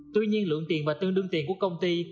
tuy nhiên lượng tiền và tương đương tiền của công ty